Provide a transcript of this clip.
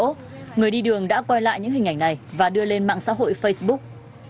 trước đó người đi đường đã quay lại những hình ảnh này và đưa lên mạng xã hội facebook